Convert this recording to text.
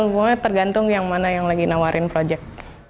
pokoknya tergantung yang mana yang lagi nawarin project